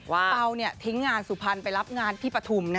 เพราเนี่ยทิ้งงานสุพรรณไปรับงานพี่ปถุหมนะ